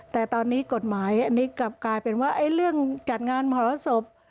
แต่ตอนนี้กฎหมายกลายเป็นว่าไอ้เรื่องจัดงานมหารสบ